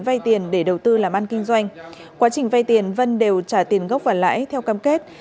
vay tiền để đầu tư làm ăn kinh doanh quá trình vay tiền vân đều trả tiền gốc và lãi theo cam kết